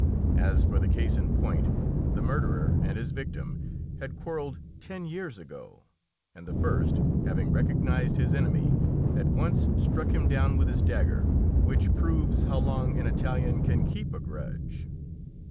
As for the case in point, the murderer and his victim had quarrelled ten years ago, and the first, having recognised his enemy, at once struck him down with his dagger, which proves how long an Italian can keep a grudge.